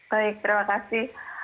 baik terima kasih